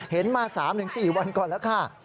เห็นมา๓๔วันก่อนแล้วค่ะ